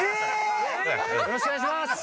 よろしくお願いします！